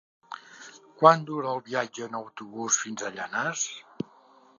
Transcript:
Quant dura el viatge en autobús fins a Llanars?